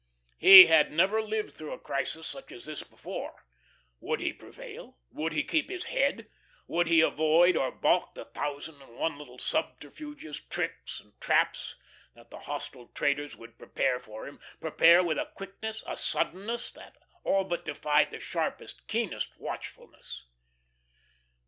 He had never lived through a crisis such as this before. Would he prevail, would he keep his head? Would he avoid or balk the thousand and one little subterfuges, tricks, and traps that the hostile traders would prepare for him prepare with a quickness, a suddenness that all but defied the sharpest, keenest watchfulness?